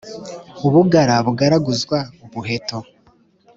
u bugara bugaruzwa umuheto.